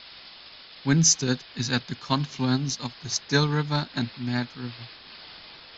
Winsted is at the confluence of the Still River and Mad River.